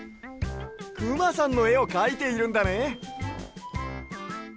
くまさんのえをかいているんだね。